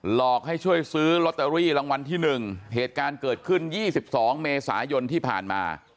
หลอกให้ช่วยซื้อลอตเตอรี่รางวัลที่๑เหตุการณ์เกิดขึ้น๒๒เมษายนที่ผ่านมา